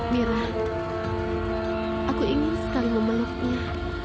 mira aku ingin sekali memeluknya